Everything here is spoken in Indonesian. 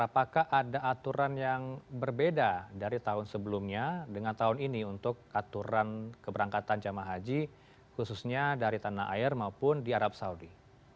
apakah ada aturan yang berbeda dari tahun sebelumnya dengan tahun ini untuk aturan keberangkatan jamaah haji khususnya dari tanah air maupun di arab saudi